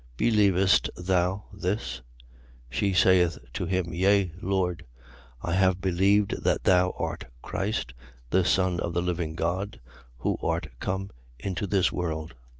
Believest thou this? 11:27. She saith to him: Yea, Lord, I have believed that thou art Christ, the Son of the living God, who art come into this world.